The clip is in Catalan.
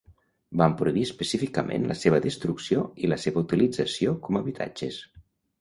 Van prohibir específicament la seva destrucció i la seva utilització com habitatges.